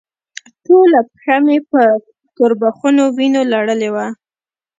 ټوله پښه په توربخونو وينو لړلې وه.